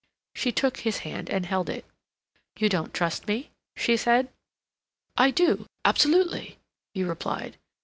She took his hand and held it. "You don't trust me?" she said. "I do, absolutely," he replied.